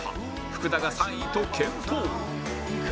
福田が３位と健闘